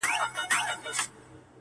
هم په لوبو هم په ټال کي پهلوانه٫